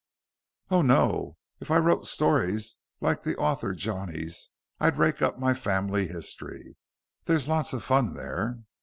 "Oh, no! If I wrote stories like the author johnnies I'd rake up my family history. There's lots of fun there."